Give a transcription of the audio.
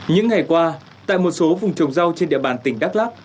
những ngày qua tại một số vùng trồng rau trên địa bàn tỉnh đắk lắc